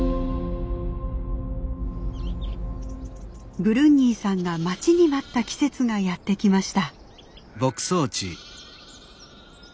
ブルンニーさんが待ちに待った季節がやって来ました。